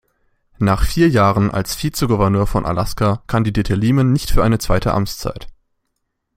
Nach vier Jahren als Vizegouverneur von Alaska, kandidierte Leman nicht für eine zweite Amtszeit.